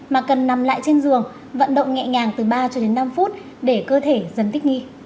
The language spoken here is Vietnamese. mà cần nằm lại trên giường vận động nhẹ nhàng từ ba cho đến năm phút để cơ thể dần thích nghi